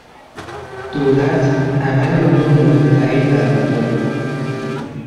دولت عمل او را مورد تایید قرار داد.